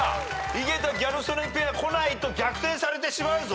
井桁・ギャル曽根ペアこないと逆転されてしまうぞ。